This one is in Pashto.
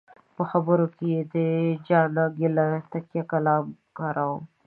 په خبرو کې یې د جانه ګله تکیه کلام کاراوه.